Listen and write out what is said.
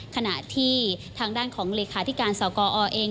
ขณะที่ทางด้านของเลขาธิการสกอเอง